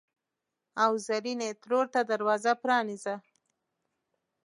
او زرینې ترور ته دروازه پرانیزه!